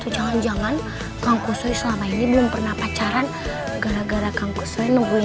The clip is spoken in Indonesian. jalan jalan kang kusoi selama ini belum pernah pacaran gara gara kang kusoi nungguin